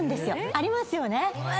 ありますよね